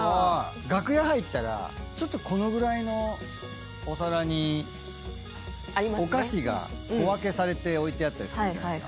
楽屋入ったらちょっとこのぐらいのお皿にお菓子が小分けされて置いてあったりするじゃない。